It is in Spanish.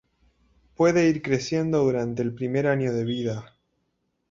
Puede ir creciendo durante el primer año de vida.